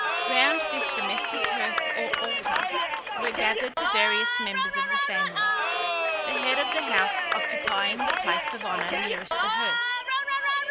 Round this domestic hearth or altar were gathered the various members of the family, the head of the house occupying the place of honour nearest the hearth.